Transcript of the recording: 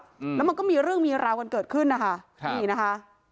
อืมแล้วมันก็มีเรื่องมีราวกันเกิดขึ้นนะคะครับนี่นะคะ